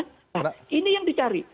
nah ini yang dicari